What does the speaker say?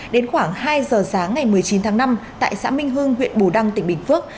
đến khoảng hai giờ sáng ngày một mươi chín tháng năm tại xã minh hưng huyện bù đăng tỉnh bình phước